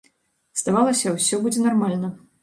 Здавалася, усё будзе нармальна.